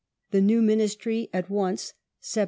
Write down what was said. The new Ministry at once (Sept.